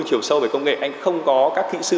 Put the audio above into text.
chiều sâu về công nghệ anh không có các kỹ sư